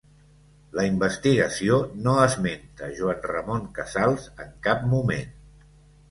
La investigació no esmenta Joan Ramon Casals en cap moment